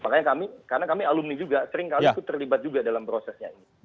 makanya kami karena kami alumni juga seringkali itu terlibat juga dalam prosesnya ini